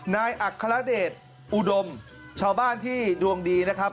อัครเดชอุดมชาวบ้านที่ดวงดีนะครับ